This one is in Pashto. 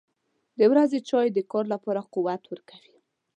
• د ورځې چای د کار لپاره قوت ورکوي.